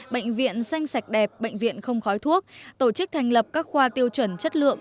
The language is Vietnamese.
bệnh viện xanh sạch đẹp bệnh viện không khói thuốc tổ chức thành lập các khoa tiêu chuẩn chất lượng